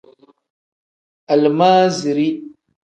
Alimaaziri.